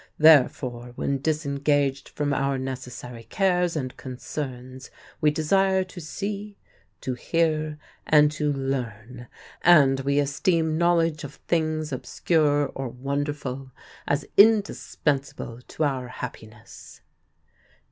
Therefore, when disengaged from our necessary cares and concerns, we desire to see, to hear, and to learn, and we esteem knowledge of things obscure or wonderful as indispensable to our happiness."